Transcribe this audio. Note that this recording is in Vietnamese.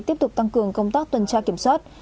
tiếp tục tăng cường công tác tuần tra kiểm soát